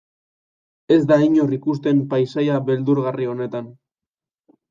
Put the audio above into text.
Ez da inor ikusten paisaia beldurgarri horretan.